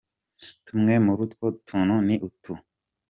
Tumwe muru utwo tuntu ni utu:.